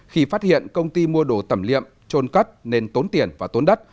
khi phát hiện công ty mua đồ tẩm liệm trôn cất nên tốn tiền và tốn đất